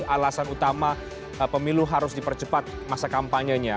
alasan utama pemilu harus dipercepat masa kampanyenya